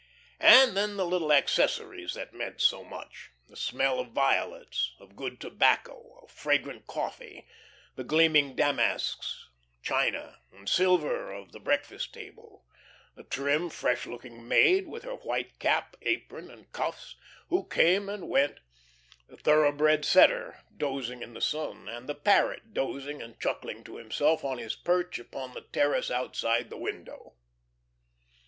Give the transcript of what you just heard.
And then the little accessories that meant so much the smell of violets, of good tobacco, of fragrant coffee; the gleaming damasks, china and silver of the breakfast table; the trim, fresh looking maid, with her white cap, apron, and cuffs, who came and went; the thoroughbred setter dozing in the sun, and the parrot dozing and chuckling to himself on his perch upon the terrace outside the window.